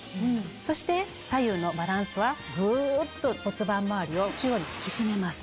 そして左右のバランスはグっと骨盤周りを中央に引き締めます。